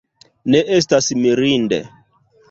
Ne estas mirinde.